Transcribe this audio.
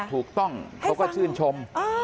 ถูกต้องเขาก็ชื่นชม